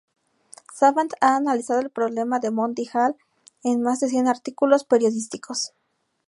Savant ha analizado el problema de Monty Hall en más de cien artículos periodísticos.